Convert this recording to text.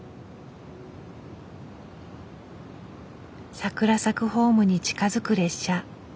桜咲くホームに近づく列車。